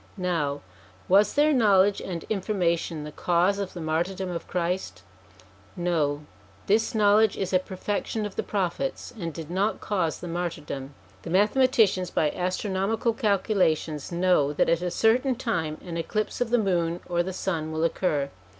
Now, was their knowledge and information the cause of the martyrdom of Christ ? No ; this knowledge is a perfec tion of the Prophets, and did not cause the martyrdom. The mathematicians by astronomical calculations know that at a certain time an eclipse of the moon or the sun will occur.